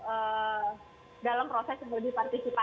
supaya undang undang ini kemudian bisa direview ulang tapi digagalkan